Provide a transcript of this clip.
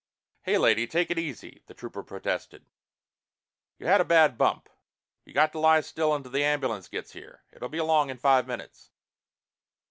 "Hey, lady, take it easy!" the Trooper protested. "You had a bad bump. You got to lie still until the ambulance gets here. It'll be along in five minutes."